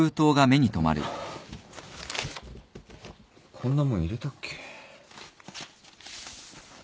こんなもん入れたっけ？